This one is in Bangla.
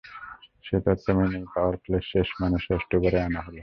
সেই তত্ত্ব মেনেই পাওয়ার প্লের শেষ, মানে ষষ্ঠ ওভারে আনা হলো।